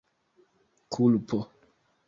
kulpo